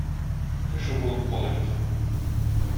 Кеше булып калыйк!